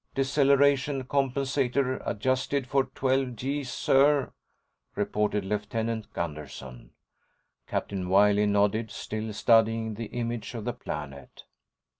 "Deceleration compensator adjusted for 12 G's, sir," reported Lieutenant Gunderson. Captain Wiley nodded, still studying the image of the planet.